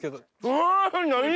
あ！何？